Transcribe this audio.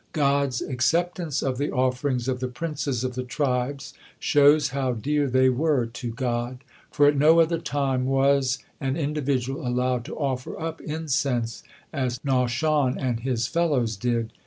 God's acceptance of the offerings of the princes of the tribes shows how dear they were to God; for at no other time was and individual allowed to offer up incense, as Nahshon and his fellows did.